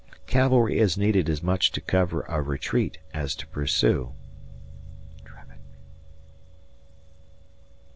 Cavalry is needed as much to cover a retreat as to pursue.